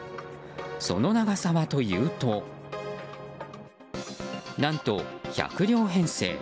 その長さはというと何と、１００両編成。